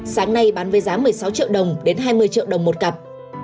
sáng nay bán với giá một mươi sáu triệu đồng đến hai mươi triệu đồng một cặp